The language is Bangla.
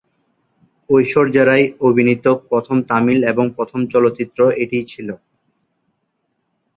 ঐশ্বর্যা রায় অভিনীত প্রথম তামিল এবং প্রথম চলচ্চিত্র এটিই ছিলো।